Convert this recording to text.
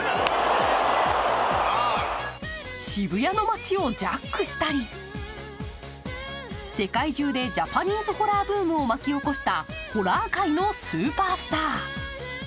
渋谷の街をジャックしたり世界中でジャパニーズホラーブームを巻き起こしたホラー界のスーパースター。